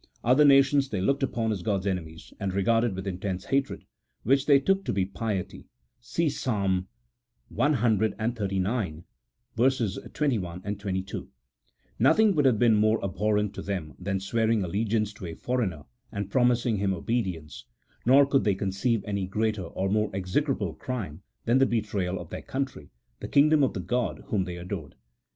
Other nations they looked upon as God's enemies, and regarded with intense hatred (which they took to be piety, see Psalm cxxxix. 21, 22) : nothing would have been more abhorrent to them than swearing allegiance to a foreigner, and pro mising him obedience : nor could they conceive any greater or more execrable crime than the betrayal of their country, the kingdom of the God whom they adored.